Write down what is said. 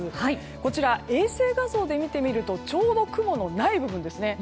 こちら、衛星画像で見てみるとちょうど雲のない部分ですね。